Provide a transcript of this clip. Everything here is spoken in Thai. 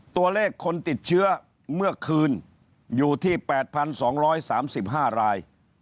ตัวเลขคนติดเชื้อเมื่อคืนอยู่ที่๘๒๓๕ราย